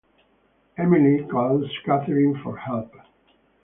Emily calls Katherine for help.